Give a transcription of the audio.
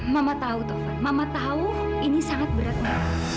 mama tahu taufan mama tahu ini sangat berat ma